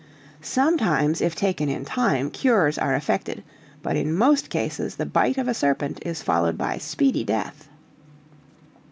Sometimes, if taken in time, cures are effected, but in most cases the bite of a serpent is followed by speedy death."